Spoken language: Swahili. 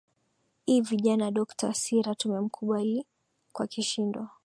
i vijana dokta sira tumemkubali kwakishindo